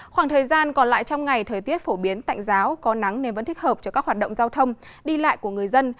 khoảng thời gian còn lại trong ngày thời tiết phổ biến tạnh giáo có nắng nên vẫn thích hợp cho các hoạt động giao thông đi lại của người dân